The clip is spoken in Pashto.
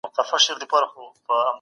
ښوونکی درس تنظيموي او تدريس منظم کېږي.